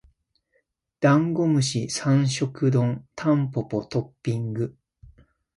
ダンゴムシ三食丼タンポポトッピング